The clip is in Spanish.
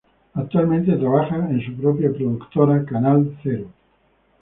Actualmente trabaja en su propia productora Canal Zero.